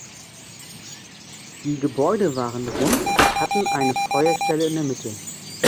Die Gebäude waren rund und hatten eine Feuerstelle in der Mitte.